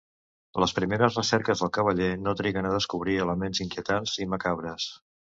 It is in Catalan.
Les primeres recerques del cavaller no triguen a descobrir elements inquietants i macabres.